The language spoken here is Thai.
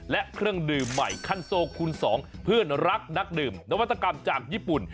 และเครื่องดื่มใหม่คันโซคูณ๒เพื่อนรักนักดื่มนวัตกรรมจากญี่ปุ่น